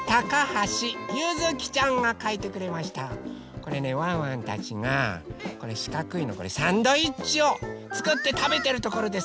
これねワンワンたちがこれしかくいのこれサンドイッチをつくってたべてるところです。